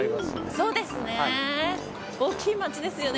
そうですよね。